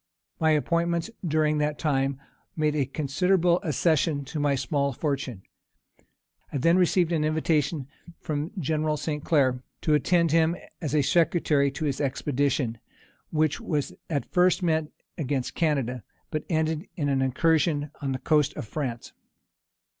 My appointments during that time made a considerable accession to my small fortune. I then received an invitation from General St. Clair to attend him as a secretary to his expedition, which was at first meant against Canada, but ended in an incursion on the coast of France.